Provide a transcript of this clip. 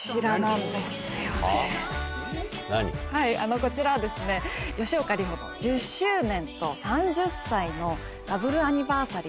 こちらは吉岡里帆の１０周年と３０歳のダブルアニバーサリー